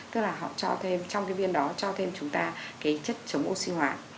tức là họ cho thêm trong cái viên đó cho thêm chúng ta cái chất chống oxy hóa